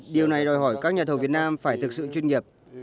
điều này đòi hỏi các nhà thầu việt nam phải thực sự chuyên nghiệp